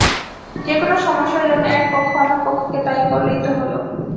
যেকোনো সমস্যার জন্য এক পক্ষ অন্য পক্ষকে দায়ী করলেই তো হলো।